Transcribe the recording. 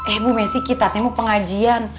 eh mbah messi kita temuk pengajian